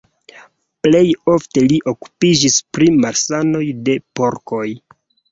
Plej ofte li okupiĝis pri malsanoj de porkoj.